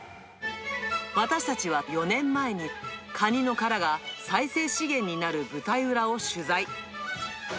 私たちは４年前に、カニの殻が再生資源になる舞台裏を取材。